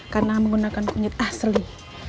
karena menggunakan kunyit asli